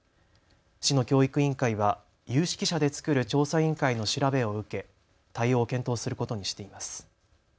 市の教育委員会は有識者で作る調査委員会の調べを受け、対応を検討することにしています。